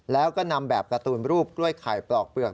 แล้วก็นำแบบการ์ตูนรูปกล้วยไข่ปลอกเปลือก